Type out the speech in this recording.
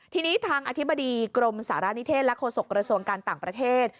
ทีนี้ทางอธิบดีกรมสารณิเทศและโฆษกระทรวงการต่างประเทศ